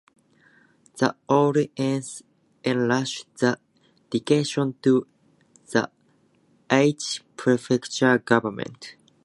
The alliance entrusted the decision to the Aichi prefectural government.